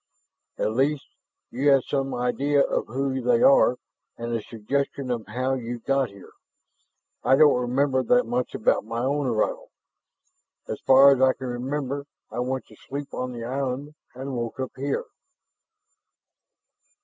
"At least you have some idea of who they are and a suggestion of how you got here. I don't remember that much about my own arrival. As far as I can remember I went to sleep on the Island and woke up here!"